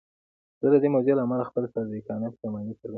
زه د دې موضوع له امله خپله صادقانه پښیماني څرګندوم.